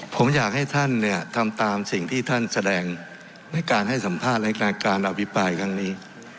ผมอยากให้ท่านเนี่ยทำตามสิ่งที่ท่านแสดงในการให้สัมภาษณ์รายการการอภิปรายครั้งนี้